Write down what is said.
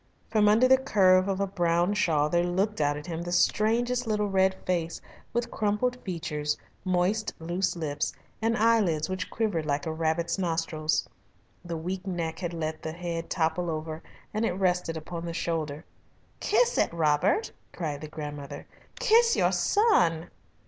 From under the curve of a brown shawl there looked out at him the strangest little red face with crumpled features, moist, loose lips, and eyelids which quivered like a rabbit's nostrils. The weak neck had let the head topple over, and it rested upon the shoulder. "Kiss it, Robert!" cried the grandmother. "Kiss your son!"